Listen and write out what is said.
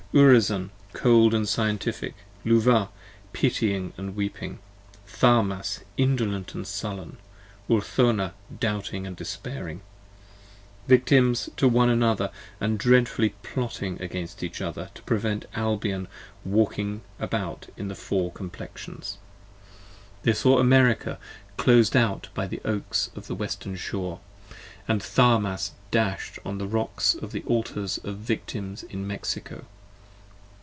Urizen, cold & scientific; Luvah, pitying & weeping; Tharmas, indolent & sullen; Urthona, doubting & despairing; Victims to one another & dreadfully plotting against each other 5 To prevent Albion walking about in the Four Complexions. 48 They saw America clos'd out by the Oaks of the western shore: And Tharmas dash'd on the Rocks of the Altars of Victims in Mexico.